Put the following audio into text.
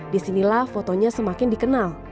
disinilah fotonya semakin dikenal